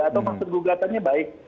atau maksud gugatannya baik